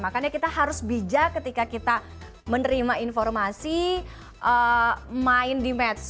makanya kita harus bijak ketika kita menerima informasi main di match